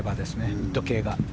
ウッド系が。